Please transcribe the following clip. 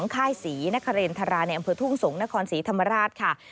ค่ายศรีนครินทราในอำเภอทุ่งสงศ์นครศรีธรรมราชค่ะ